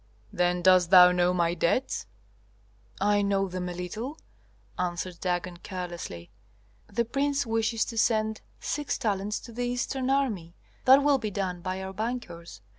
"Then dost thou know my debts?" "I know them a little," answered Dagon, carelessly. "The prince wishes to send six talents to the Eastern army; that will be done by our bankers.